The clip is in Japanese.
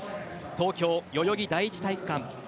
東京・代々木第一体育館。